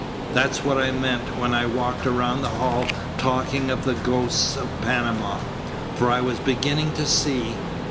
That's what I meant when I walked around the hall talking of the ghosts of Panama. For I was beginning to see.